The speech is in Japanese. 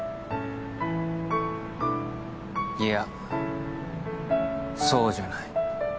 いやそうじゃない。